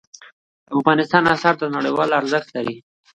د افغانستان آثار نړیوال ارزښت لري.